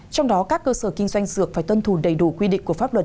trong đó các cơ sở kinh doanh dược phải tuân thủ đầy đủ quy định của pháp luật